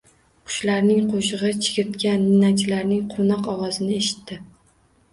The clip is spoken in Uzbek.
Qushlarning qoʻshigʻi, chigirtka, ninachilarning quvnoq ovozini eshitdi.